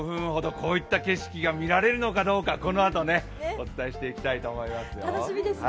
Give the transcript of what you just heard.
こういった景色が見られるのかどうか、このあと、お伝えしていきたいと思いますよ。